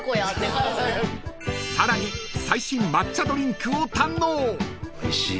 ［さらに最新抹茶ドリンクを堪能］